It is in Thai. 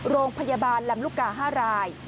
โรงพยาบาลลำลูกกา๕ราย